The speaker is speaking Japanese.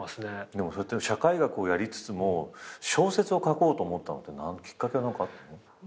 社会学をやりつつも小説を書こうと思ったのってきっかけは何かあったの？